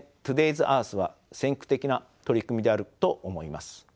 ’ｓＥａｒｔｈは先駆的な取り組みであると思います。